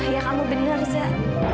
ya kamu bener zah